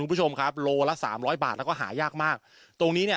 คุณผู้ชมครับโลละสามร้อยบาทแล้วก็หายากมากตรงนี้เนี่ย